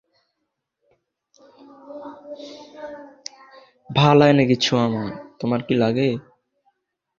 স্বাধীনতার পরে যারা ভারতে পাড়ি জমান তাদের জন্য করাচির স্বামীনারায়ণ মন্দির ছিল প্রস্থান পয়েন্ট।